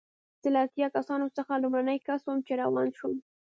زه له اتیا کسانو څخه لومړنی کس وم چې روان شوم.